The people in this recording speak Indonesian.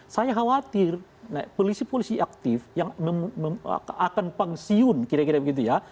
saya khawatir polisi polisi aktif yang akan pangsiun kira kira begitu ya